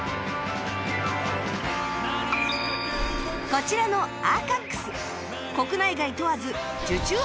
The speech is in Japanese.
こちらのアーカックス